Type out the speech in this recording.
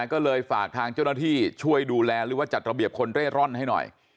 ก็เลยฝากทางเจ้าหน้าที่ช่วยดูแลหรือว่าจัดระเบียบคนเร่ร่อนให้หน่อย